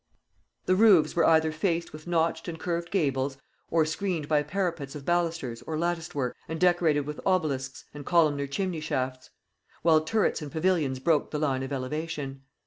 The roofs were either faced with notched and curved gables, or screened by parapets of ballustres or latticed work and decorated with obelisks and columnar chimney shafts; while turrets and pavilions broke the line of elevation.